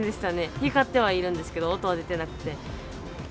光ってはいるんですけれども、音は出てなくて。